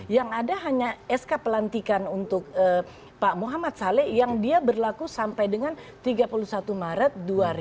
yang ada hanya sk pelantikan untuk pak muhammad saleh yang dia berlaku sampai dengan tiga puluh satu maret dua ribu dua puluh